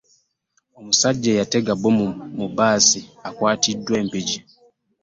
Omusajja eyatega bbomu mu bbaasi akwatiddwa e Mpigi.